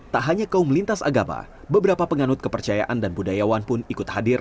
tak hanya kaum lintas agama beberapa penganut kepercayaan dan budayawan pun ikut hadir